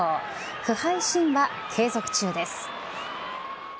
不敗神話継続中です。